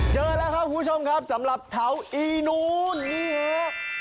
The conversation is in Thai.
เจอแล้วครับคุณผู้ชมครับสำหรับแถวอีนู้นนี่เอง